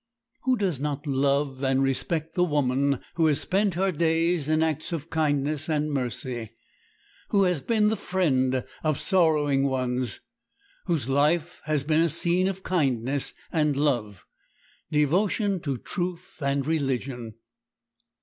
Who does not love and respect the woman who has spent her days in acts of kindness and mercy, who has been the friend of sorrowing ones, whose life has been a scene of kindness and love, devotion to truth and religion.